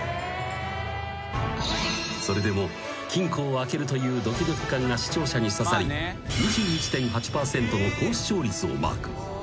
［それでも金庫を開けるというドキドキ感が視聴者に刺さり２１．８％の高視聴率をマーク］